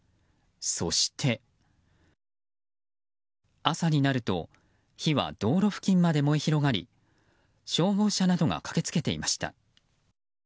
そして、朝になると火は道路付近まで燃え広がり消防車などが駆けつけていました。